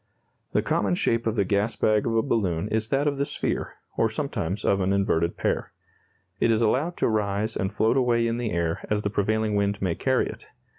The common shape of the gas bag of a balloon is that of the sphere, or sometimes of an inverted pear. It is allowed to rise and float away in the air as the prevailing wind may carry it.